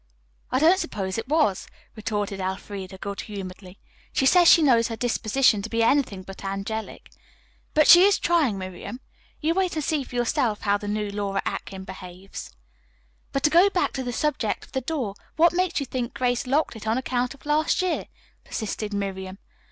"I don't suppose it was," retorted Elfreda good humoredly. "She says she knows her disposition to be anything but angelic. But she is trying, Miriam. You wait and see for yourself how the new Laura Atkins behaves." "But to go back to the subject of the door, what makes you think Grace locked it on account of last year?" persisted Miriam.